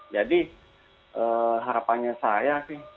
jadi harapannya saya sih